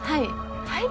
はい。